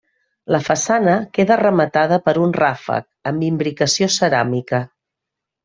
La façana queda rematada per un ràfec amb imbricació ceràmica.